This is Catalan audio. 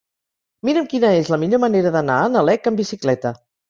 Mira'm quina és la millor manera d'anar a Nalec amb bicicleta.